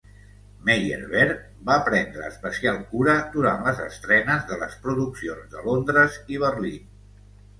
Meyerbeer va prendre especial cura durant les estrenes de les produccions de Londres i Berlín.